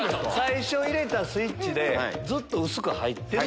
最初入れたスイッチでずっと薄く入ってる？